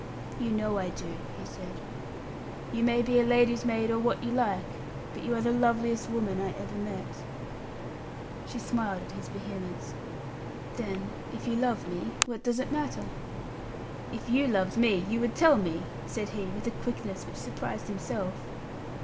"You know I do," he said. "You may be a lady's maid or what you like, but you are the loveliest woman I ever met." She smiled at his vehemence. "Then, if you love me, what does it matter?" "If you loved me, you would tell me," said he, with a quickness which surprised himself.